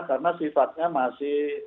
karena sifatnya masih